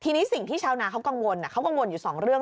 ทีนี้สิ่งที่ชาวนาเขากังวลอยู่สองเรื่อง